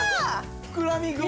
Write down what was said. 膨らみ具合。